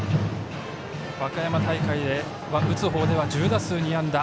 和歌山大会では打つ方では１０打数２安打。